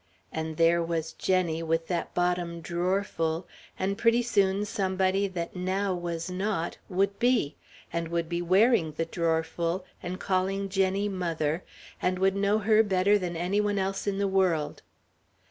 And there was Jenny, with that bottom drawerful, and pretty soon somebody that now was not, would be, and would be wearing the drawerful and calling Jenny "mother," and would know her better than any one else in the world.